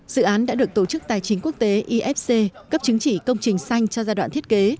dự án đã được tổ chức tài chính quốc tế ifc cấp chứng chỉ công trình xanh cho giai đoạn thiết kế